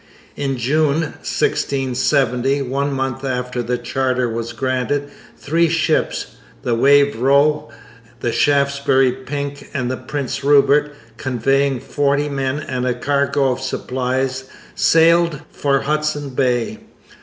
In June 1670, one month after the charter was granted, three ships the Wavero, the Shaftesbury Pink, and the Prince Rupert conveying forty men and a cargo of supplies, sailed for Hudson Bay.